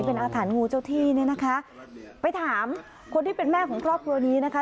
เป็นอาถรรพงูเจ้าที่เนี่ยนะคะไปถามคนที่เป็นแม่ของครอบครัวนี้นะคะ